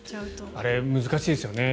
あれ、難しいですよね。